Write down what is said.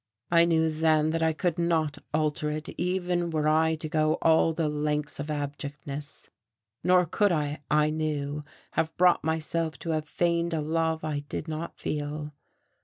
I knew then that I could not alter it even were I to go all the lengths of abjectness. Nor could I, I knew, have brought myself to have feigned a love I did not feel.